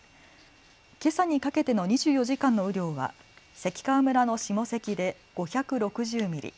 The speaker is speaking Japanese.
今朝にかけての２４時間の雨量は関川村の下関で５６０ミリ